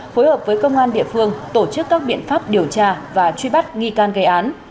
phối hợp với công an địa phương tổ chức các biện pháp điều tra và truy bắt nghi can gây án